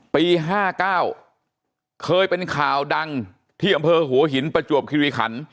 ปี๕๙เคยเป็นข่าวดังที่อำเภอหัวหินประจวบคิริขัน